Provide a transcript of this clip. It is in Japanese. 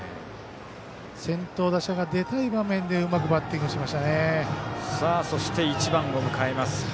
先頭打者が出たい場面でうまくバッティングしましたね。